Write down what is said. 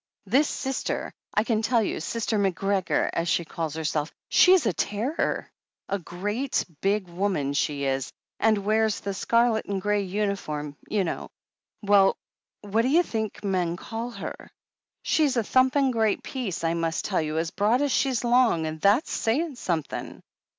"This Sister, I can tell you — Sister McGregor, as she calls herself — ^she's a terror. A great, big woman, she is, and wears the scarlet and grey imiform — ^you know. Well, what d'you think the men call her ? She's a thumping great piece, I must tell you — as broad as she's long, and that's saying something.